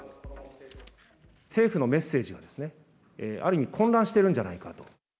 政府のメッセージですね、ある意味、混乱してるんじゃないかと。